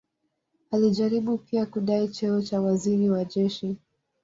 Alijaribu pia kudai cheo cha waziri wa jeshi.